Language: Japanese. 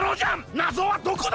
なぞはどこだ！？